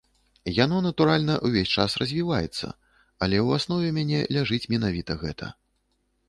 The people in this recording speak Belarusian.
Яно, натуральна, увесь час развіваецца, але ў аснове мяне ляжыць менавіта гэта.